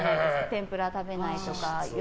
天ぷら食べないとか。